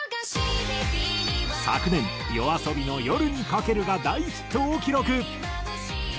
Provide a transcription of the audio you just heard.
昨年ＹＯＡＳＯＢＩの『夜に駆ける』が大ヒットを記録。